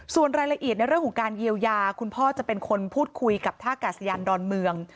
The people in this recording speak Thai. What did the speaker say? ส่วนรายละเอียดในเรื่องของการเยียวยาคุณพ่อจะเป็นคนพูดคุยกับท่ากาศยานดอนเมือง